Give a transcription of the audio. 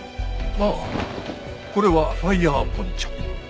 ああこれはファイヤーポンチョ。